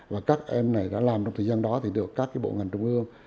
và các em này đã làm trong thời gian đó thì được các bộ ngành trung ương